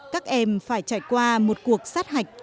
các em phải trải qua một cuộc sát hạch